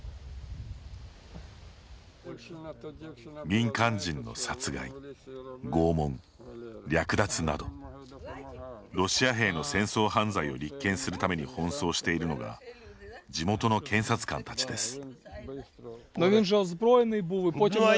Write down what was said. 民間人の殺害、拷問、略奪などロシア兵の戦争犯罪を立件するために奔走しているのが地元の検察官たちです。